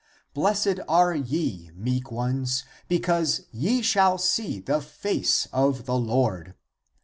Blessed are ye, meek ones, because ye shall see the face of the Lord.